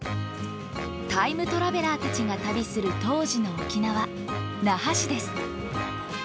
タイムトラベラーたちが旅する当時の沖縄那覇市です。